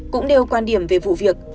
cũng đều quan điểm về vụ việc